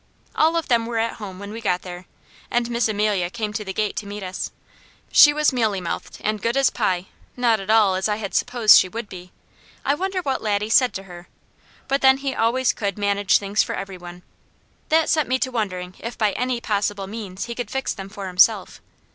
All of them were at home when we got there, and Miss Amelia came to the gate to meet us. She was mealy mouthed and good as pie, not at all as I had supposed she would be. I wonder what Laddie said to her. But then he always could manage things for every one. That set me to wondering if by any possible means he could fix them for himself.